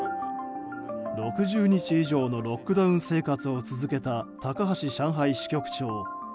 ６０日以上のロックダウン生活を続けた高橋上海支局長。